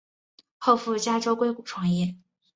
后赴加州硅谷创业。